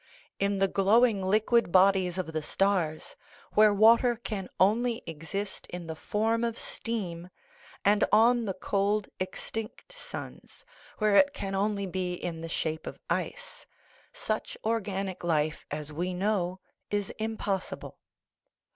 In the glowing liquid bodies of the stars, where water can only exist in the form of steam, and on the cold extinct suns, where it can only be in the shape of ice, such organic life as we know is impossible.